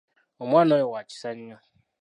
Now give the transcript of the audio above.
Omwana ono wa kisa nnyo.